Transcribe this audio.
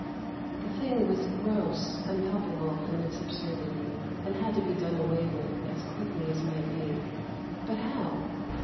The thing was gross and palpable in its absurdity, and had to be done away with as quickly as might be. But how?